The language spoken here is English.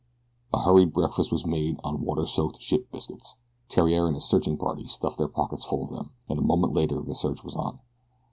A hurried breakfast was made on water soaked ship's biscuit. Theriere and his searching party stuffed their pockets full of them, and a moment later the search was on.